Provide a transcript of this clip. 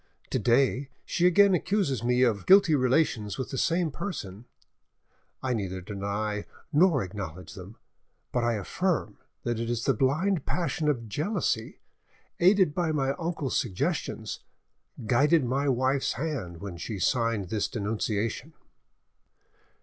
To day she again accuses me of, guilty relations with the same person; I neither deny nor acknowledge them, but I affirm that it is the blind passion of jealousy which, aided by my uncle's suggestions, guided my wife's hand when she signed this denunciation."